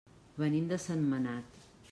Venim de Sentmenat.